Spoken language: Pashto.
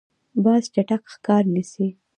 باز چټک ښکار نیسي.